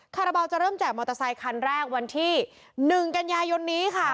คาราบาลจะเริ่มแจกมอเตอร์ไซคันแรกวันที่๑กันยายนนี้ค่ะ